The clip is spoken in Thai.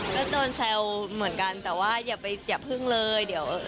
ก็โดนแซวเหมือนกันแต่ว่าอย่าไปอย่าพึ่งเลยเดี๋ยว